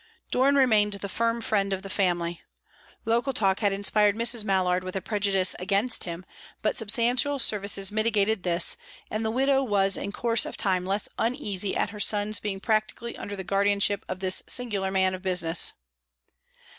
Doran remained the firm friend of the family. Local talk had inspired Mrs. Mallard with a prejudice against him, but substantial services mitigated this, and the widow was in course of time less uneasy at her son's being practically under the guardianship of this singular man of business.